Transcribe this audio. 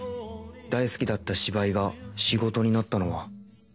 大好きだった芝居が仕事になったのは